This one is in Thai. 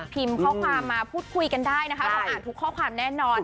พิมพ์ข้อความมาพูดคุยกันได้นะคะเราอ่านทุกข้อความแน่นอน